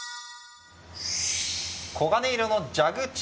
黄金色の蛇口。